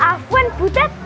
apun bu ted